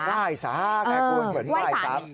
ไหว้สาแม่กุ้นเหมือนไหว้สาม